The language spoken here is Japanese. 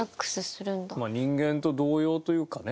人間と同様というかね。